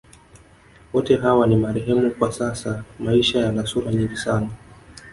Wote hawa ni marehemu kwa sasa Maisha yana sura nyingi sana